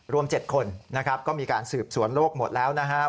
รวม๗คนนะครับก็มีการสืบสวนโลกหมดแล้วนะครับ